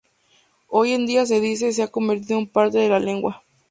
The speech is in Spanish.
Hoy en día, se dice, se ha convertido en parte de la lengua.